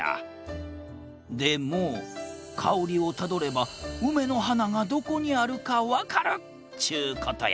でもかおりをたどればうめのはながどこにあるかわかるっちゅうことや！